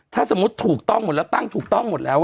ถ้าสมมุติถูกต้องหมดแล้วตั้งถูกต้องหมดแล้ว